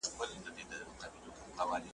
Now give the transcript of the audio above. خپل نصیب وي غلامۍ لره روزلي `